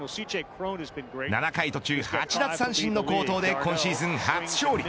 ７回途中８奪三振の好投で今シーズン初勝利。